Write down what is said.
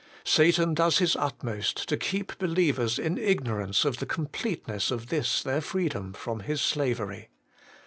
Satan does his utmost to keep believers in ignorance of the completeness of this their freedom from his slavery.